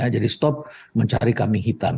jadi stop mencari kami hitam